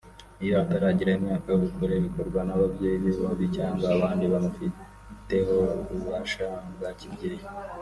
Iyo ataragira imyaka y’ubukure bikorwa n’ababyeyi be bombi cyangwa abandi bamufiteho ububasha bwa kibyeyi